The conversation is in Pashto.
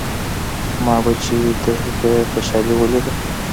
ما به چې د هغې خوشالي وليده.